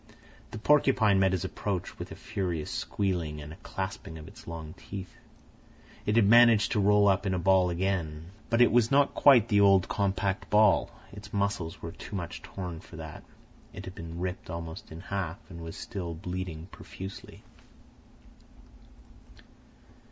The porcupine met his approach with a furious squealing and a clashing of its long teeth. It had managed to roll up in a ball again, but it was not quite the old compact ball; its muscles were too much torn for that. It had been ripped almost in half, and was still bleeding profusely.